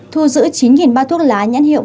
thu giữ chín ba trăm linh thuốc lá nhãn hiệu